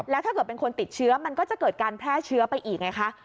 แล้วถ้าเกิดเป็นคนติดเชื้อมันก็จะเกิดการแพร่เชื้อไปอีกไงคะ